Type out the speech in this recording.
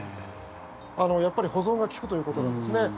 やっぱり保存が利くということなんですね。